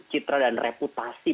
citra dan reputasi